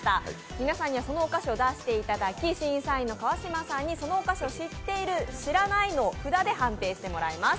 皆さんにはそのお菓子を出していただき、審査員の川島さんにそのお菓子を知っている知らないの札で判定してもらいます。